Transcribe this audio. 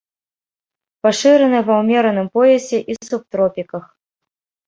Пашыраны ва ўмераным поясе і субтропіках.